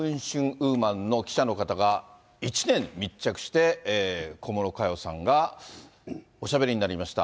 ウーマンの記者の方が、１年密着して、小室佳代さんがおしゃべりになりました。